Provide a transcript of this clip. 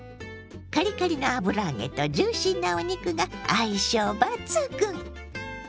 カリカリの油揚げとジューシーなお肉が相性抜群！